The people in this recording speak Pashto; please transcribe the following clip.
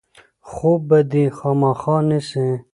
خوب به دی خامخا نیسي.